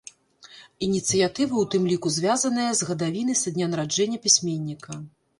Ініцыятыва ў тым ліку звязаная з гадавінай са дня нараджэння пісьменніка.